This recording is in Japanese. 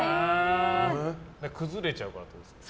崩れちゃうからってことですか。